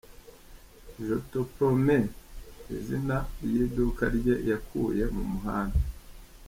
Je te promets, izina ry’iduka rye yakuye mu muhanda.